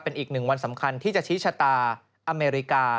เป็นอีกหนึ่งวันสำคัญที่จะชี้ชะตาอเมริกา